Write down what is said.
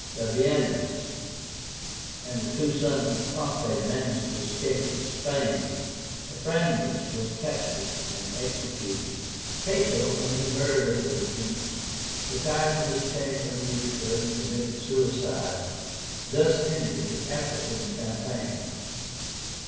Labiénus and the two sons of Pompey managed to escape to Spain. Afranius was captured and executed. Cato, when he heard of the defeat, retired to his chamber in Utica, and committed suicide. Thus ended the African campaign.